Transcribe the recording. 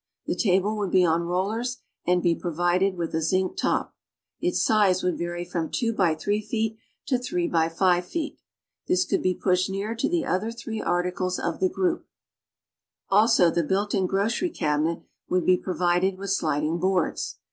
The table would be on rollers and be provided with a zinc top. Its size would vary from 2x3 feet to ;? X ,5 feet. This could be pushed near to the other three articles of the group. Also, the built in grocery cabinet would be provided with sliding boards.